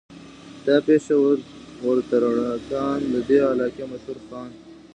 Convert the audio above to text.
دا پېشه ور ترکاڼ د دې علاقې مشهور خان